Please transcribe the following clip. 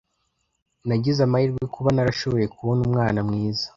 Nagize amahirwe kuba narashoboye kubona umwana mwiza.